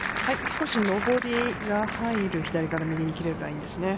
少し上りが入る、左から右に切れるラインですね。